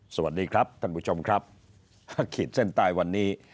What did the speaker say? สวัสดีครับท่านผู้ชมครับขีดเส้นใต้วันนี้